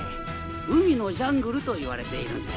海のジャングルといわれているんだよ。